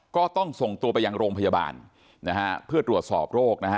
ก็ต้องส่งตัวไปยังโรงพยาบาลนะฮะเพื่อตรวจสอบโรคนะฮะ